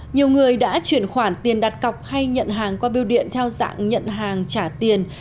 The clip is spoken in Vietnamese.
nhiều người đã chuyển khoản tiền đặt cọc hay nhận hàng qua biêu điện theo dạng nhận hàng trả tiền